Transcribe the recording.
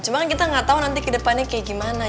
cuma kan kita gak tau nanti ke depannya kayak gimana